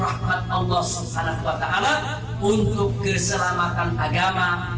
agar pendosong anak kuat allah menyelamatkan agama kita